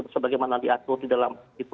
sebagaimana diatur di dalam